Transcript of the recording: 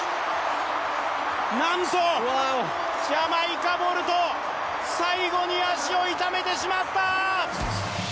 なんとジャマイカ、ボルト最後に足を痛めてしまった。